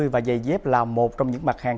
và dày dép là một trong những mặt hàng